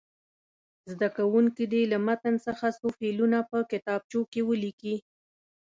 زده کوونکي دې له متن څخه څو فعلونه په کتابچو کې ولیکي.